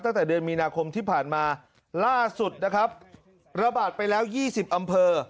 ตั้งแต่เดือนมีนาคมที่ผ่านมาล่าสุดนะครับระบาดไปแล้วยี่สิบอำเภอ